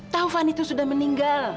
tovan itu sudah meninggal